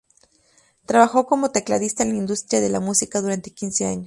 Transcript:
Trabajó como tecladista en la industria de la música durante quince años.